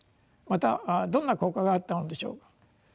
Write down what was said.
またどんな効果があったのでしょう。